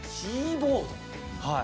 はい。